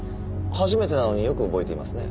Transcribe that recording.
初めてなのによく覚えていますね。